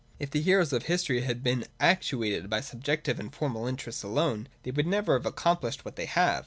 If the heroes of history had been ac tuated by subjective and formal interests alone, they would never have accomplished what they have.